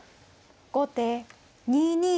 後手２二角。